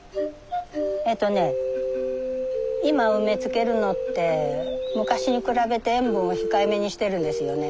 えっとね今梅漬けるのって昔に比べて塩分を控えめにしてるんですよね。